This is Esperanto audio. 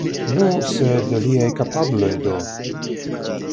Nu, sed liaj kapabloj do?